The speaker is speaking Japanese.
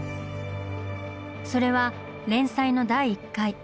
それは連載の第１回。